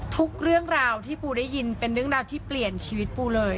ทุกเรื่องราวที่ปูได้ยินเป็นเรื่องราวที่เปลี่ยนชีวิตปูเลย